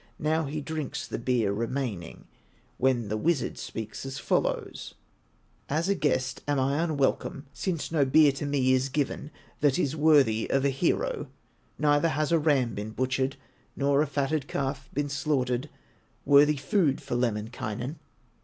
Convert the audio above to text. Now he drinks the beer remaining, When the wizard speaks as follows: "As a guest am I unwelcome, Since no beer to me is given That is worthy of a hero; Neither has a ram been butchered, Nor a fattened calf been slaughtered, Worthy food for Lemminkainen."